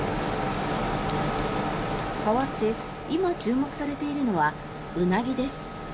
代わって、今注目されているのはウナギです。